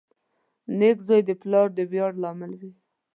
• نېک زوی د پلار د ویاړ لامل وي.